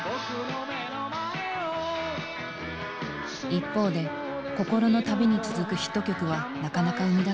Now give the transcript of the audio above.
一方で「心の旅」に続くヒット曲はなかなか生み出せませんでした。